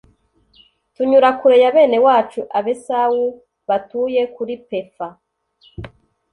tunyura kure ya bene wacu abesawu batuye kuri pefa